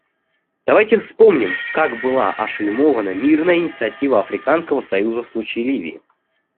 Давайте вспомним, как была ошельмована мирная инициатива Африканского союза в случае Ливии.